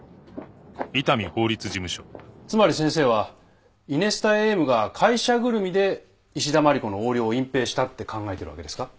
つまり先生はイネスタＡＭが会社ぐるみで石田真理子の横領を隠蔽したって考えているわけですか？